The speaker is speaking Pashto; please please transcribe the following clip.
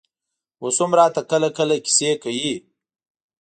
اوس هم راته کله کله کيسې کوي.